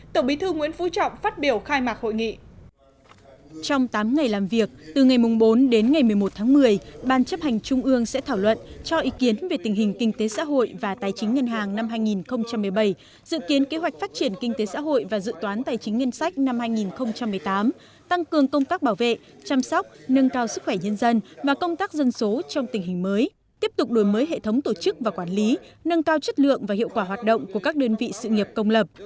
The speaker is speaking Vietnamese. trong tám ngày làm việc từ ngày bốn đến ngày một mươi một tháng một mươi ban chấp hành trung ương sẽ thảo luận cho ý kiến về tình hình kinh tế xã hội và tài chính ngân hàng năm hai nghìn một mươi bảy dự kiến kế hoạch phát triển kinh tế xã hội và dự toán tài chính ngân sách năm hai nghìn một mươi tám tăng cường công tác bảo vệ chăm sóc nâng cao sức khỏe nhân dân và công tác dân số trong tình hình mới tiếp tục đổi mới hệ thống tổ chức và quản lý nâng cao chất lượng và hiệu quả hoạt động của các đơn vị sự nghiệp công lập